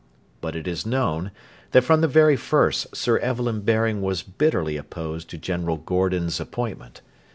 But it is known that from the very first Sir Evelyn Baring was bitterly opposed to General Gordon's appointment.